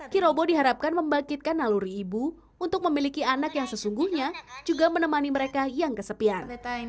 kirobo diharapkan membangkitkan naluri ibu untuk memiliki anak yang sesungguhnya juga menemani mereka yang kesepian